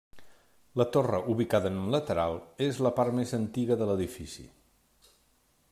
La torre, ubicada en un lateral, és la part més antiga de l'edifici.